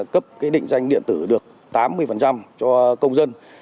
cấp định danh điện tử được tám mươi cho công dân